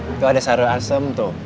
itu ada sayur asem tuh